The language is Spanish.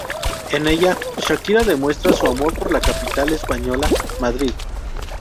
En ella, Shakira demuestra su amor por la capital española, Madrid.